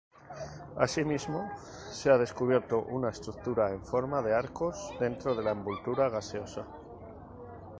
Asimismo, se ha descubierto una estructura en forma de arcos dentro la envoltura gaseosa.